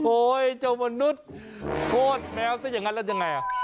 โอ้ยเจ้ามนุษย์โคตรแมวซะอย่างนั้นแหละยังไง